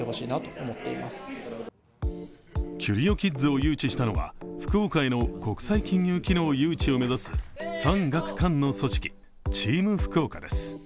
ＣＵＲＩＯＯｋｉｄｓを誘致したのは福岡への国際金融機能誘致を目指す産学官の組織、チーム福岡です。